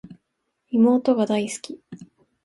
妹が大好き